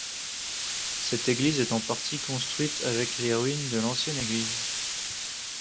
Cette église est en partie construite avec les ruines de l'ancienne église.